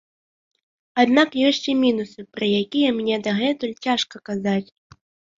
Аднак ёсць і мінусы, пра якія мне дагэтуль цяжка казаць.